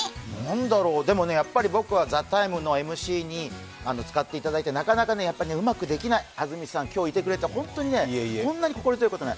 でもね、やっぱり僕は「ＴＨＥＴＩＭＥ，」のＭＣに使っていただいてなかなかうまくできない、安住さん今日いてくれて本当にこんなに心強いことはない。